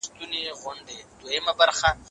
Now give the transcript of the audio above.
ایا د کور په انګړ کي د ګلانو کرل ذهن تازه کوي؟